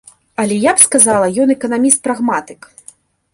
Але я б сказала, ён эканаміст-прагматык.